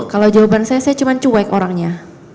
kalau jawaban saya saya cuma cuek orangnya